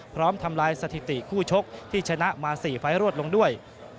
ทำลายสถิติคู่ชกที่ชนะมา๔ไฟล์รวดลงด้วย